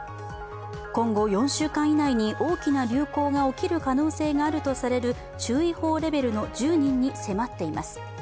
今後４週間以内に大きな流行が起きる可能性があるとされる注意報レベルの１０人に迫っています。